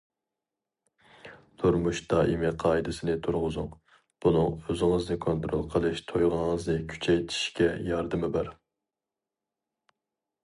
تۇرمۇش دائىمىي قائىدىسىنى تۇرغۇزۇڭ، بۇنىڭ ئۆزىڭىزنى كونترول قىلىش تۇيغۇڭىزنى كۈچەيتىشكە ياردىمى بار.